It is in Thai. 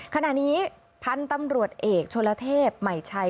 ขณะนี้พันธุ์ตำรวจเอกชนละเทพใหม่ชัย